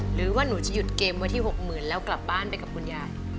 หรือว่าหนูจะหยุดเกมวันที่๖๐๐๐แล้วกลับบ้านไปกับคุณยาย